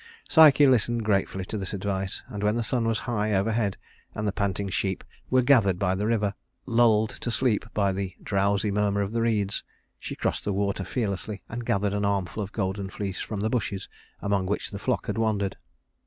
Psyche listened gratefully to this advice; and when the sun was high overhead, and the panting sheep were gathered by the river, lulled to sleep by the drowsy murmur of the reeds, she crossed the water fearlessly, and gathered an armful of golden fleece from the bushes among which the flock had wandered.